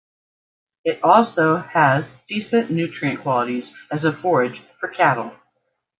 It also has decent nutrient qualities as a forage for cattle.